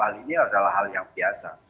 hal ini adalah hal yang biasa